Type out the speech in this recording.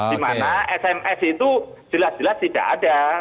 dimana sms itu jelas jelas tidak ada